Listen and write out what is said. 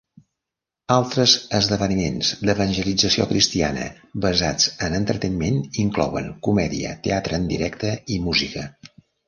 Altres esdeveniments d'evangelització cristiana basats en entreteniment inclouen comèdia, teatre en directe i música.